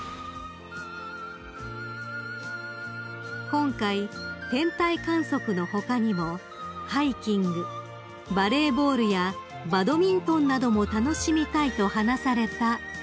［今回天体観測の他にもハイキングバレーボールやバドミントンなども楽しみたいと話されたご一家］